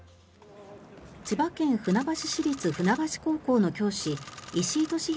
千葉県船橋市立船橋高校の教師石井利広